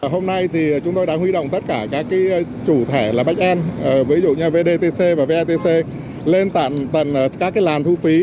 hôm nay thì chúng tôi đã huy động tất cả các chủ thể là bách an ví dụ như vdc và vetc lên tận các làn thu phí